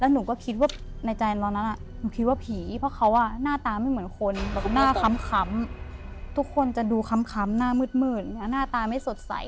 หนูรู้ว่าเป็นผีแน่ก็ก็พยายามออกแล้วหนูก็ดื่นออกมาได้